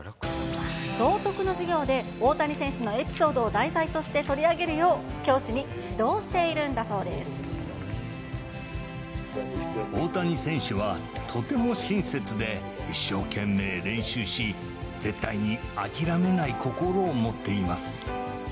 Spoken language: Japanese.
道徳の授業で、大谷選手のエピソードを題材として取り上げるよう、大谷選手はとても親切で、一生懸命練習し、絶対に諦めない心を持っています。